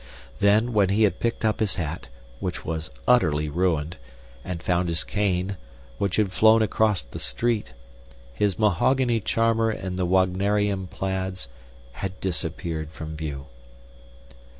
Then, when he had picked up his hat, which was utterly ruined, and found his cane, which had flown across the street, his mahogany charmer in the Wagnerian Plaids had disappeared from view.